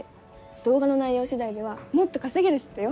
動画の内容次第ではもっと稼げるしってよ。